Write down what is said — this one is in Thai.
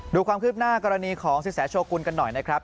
ดูความคืบหน้ากรณีของสินแสโชกุลกันหน่อยนะครับ